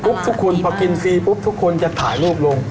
ทุกคนพอกินซีปุ๊บทุกคนจะถ่ายรูปลง